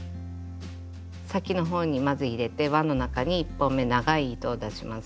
先の方にまず入れて輪の中に１本目長い糸を出します。